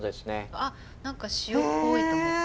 あっ何か塩っぽいと思って。